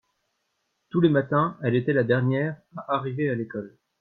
Tous les matins elle était la dernière à arriver à l’école.